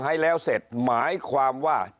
ให้แล้วเสร็จหมายความว่า